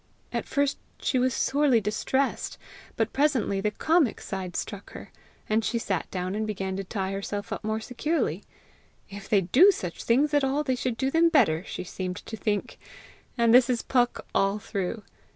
At first she was sorely distressed; but presently the comic side struck her, and she sat down and began to tie herself up more securely. If they do such things at all they should do them better, she seemed to think. And this is Puck all through.